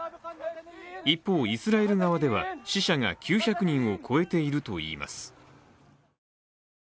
一方、イスラエル側では死者が９００人を超えているといいます。